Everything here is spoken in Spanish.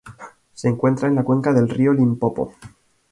Se encuentra en la cuenca del río Limpopo.